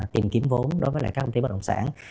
tìm kiếm vốn